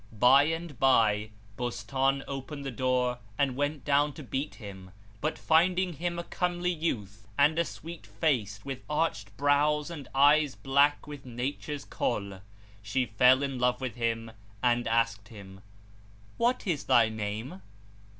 By and by, Bostan opened the door and went down to beat him, but finding him a comely youth and a sweet faced with arched brows and eyes black with nature's Kohl,[FN#398] she fell in love with him and asked him, "What is thy name?"